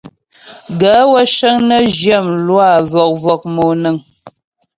Gaə̂ wə́ cəŋ nə zhyə mlwâ vɔ̀k-vɔ̀k monaə́ŋ.